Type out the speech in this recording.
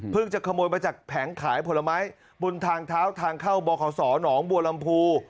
จะขโมยมาจากแผงขายผลไม้บนทางเท้าทางเข้าบขสหนองบัวลำพู